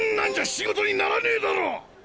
仕事にならねえだろ！